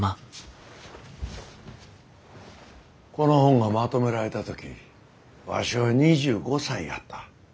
この本がまとめられた時わしは２５歳やった。